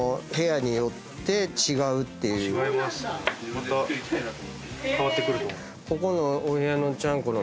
また変わってくると思います。